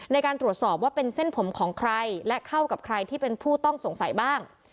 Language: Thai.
ในการตรวจสอบว่าเป็นเส้นผมของใครและเข้ากับใครที่เป็นผู้ต้องสงสัยบ้าง